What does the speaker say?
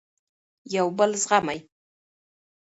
یو بل زغمئ.